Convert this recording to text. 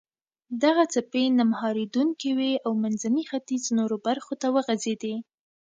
دغه څپې نه مهارېدونکې وې او منځني ختیځ نورو برخو ته وغځېدې.